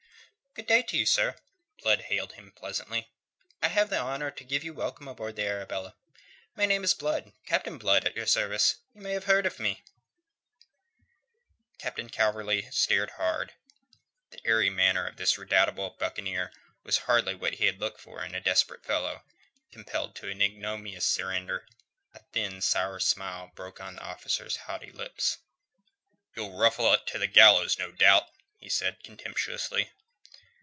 "Good day to you, sir," Blood hailed him pleasantly. "I have the honour to give you welcome aboard the Arabella. My name is Blood Captain Blood, at your service. You may have heard of me." Captain Calverley stared hard. The airy manner of this redoubtable buccaneer was hardly what he had looked for in a desperate fellow, compelled to ignominious surrender. A thin, sour smile broke on the officer's haughty lips. "You'll ruffle it to the gallows, no doubt," he said contemptuously.